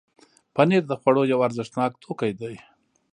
پنېر د خوړو یو ارزښتناک توکی دی.